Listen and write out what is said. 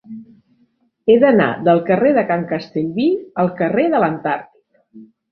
He d'anar del carrer de Can Castellví al carrer de l'Antàrtic.